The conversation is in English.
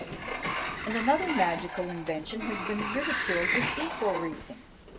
Another magical invention has been ridiculed with equal reason.